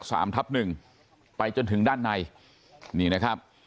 สามทับหนึ่งไปจนถึงด้านในนี่นะครับ